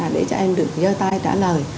để cho em được dơ tay trả lời